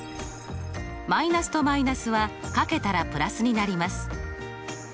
マイナスとマイナスは掛けたらプラスになります。